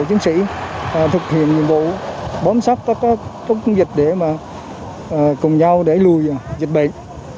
chính sĩ thực hiện nhiệm vụ bám sắt các công dịch để mà cùng nhau để lùi dịch bệnh